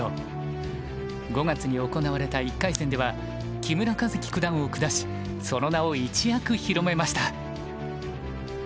５月に行われた１回戦では木村一基九段を下しその名を一躍広めました。